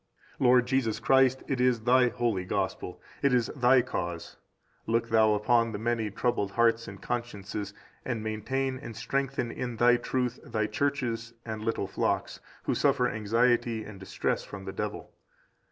Lord Jesus Christ it is Thy holy Gospel, it is Thy cause; look Thou upon the many troubled hearts and consciences, and maintain and strengthen in Thy truth Thy churches and little flocks, who suffer anxiety and distress from the devil.